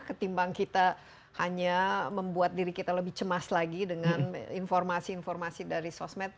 ketimbang kita hanya membuat diri kita lebih cemas lagi dengan informasi informasi dari sosmed